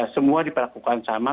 semua diperlakukan sama